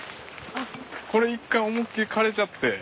これ一回思いっきり枯れちゃって。